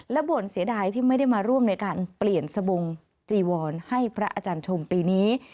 และบ่นเสียดายที่ไม่ได้มาร่วมในการเปลี่ยนสบงจีวรให้พระอาจารย์ชมปีนี้